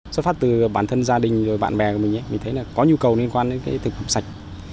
xuất phát từ bản thân gia đình và bạn bè của mình mình thấy có nhu cầu liên quan đến thực phẩm sạch